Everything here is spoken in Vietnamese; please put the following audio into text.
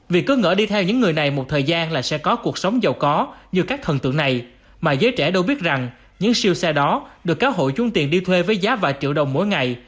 vì cứ ngỡ đi theo những người này một thời gian là sẽ có cuộc sống giàu có như các thần tượng này mà giới trẻ đâu biết rằng những siêu xe đó được cáo hội chuôn tiền đi thuê với giá vài triệu đồng mỗi ngày